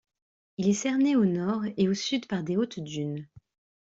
Il est cerné au nord et au sud par de hautes dunes.